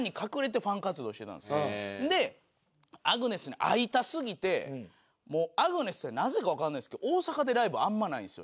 でもでアグネスに会いたすぎてもうアグネスってなぜかわからないんですけど大阪でライブあんまないんですよ。